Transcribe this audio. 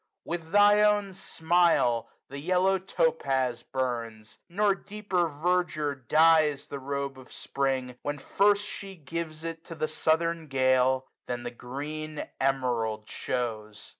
With thy own smile the yellow Topaz burns. Nor deeper verdure dyes the robe of Spring, When first she gives it to the southern gale. Than the green Emerald shows.